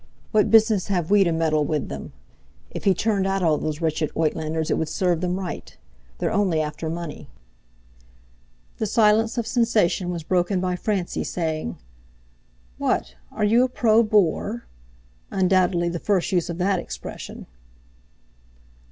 What business have we to meddle with them? If he turned out all those wretched Uitlanders it would serve them right. They're only after money." The silence of sensation was broken by Francie saying: "What? Are you a pro Boer?" (undoubtedly the first use of that expression).